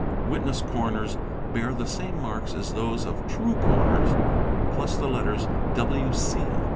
Witness corners bear the same marks as those of true corners, plus the letters W. C.